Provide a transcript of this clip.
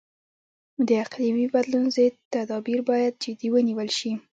د اقلیمي بدلون ضد تدابیر باید جدي ونیول شي.